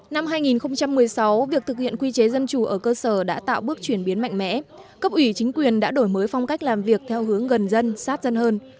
năm hai nghìn một mươi sáu việc thực hiện quy chế dân chủ ở cơ sở đã tạo bước chuyển biến mạnh mẽ cấp ủy chính quyền đã đổi mới phong cách làm việc theo hướng gần dân sát dân hơn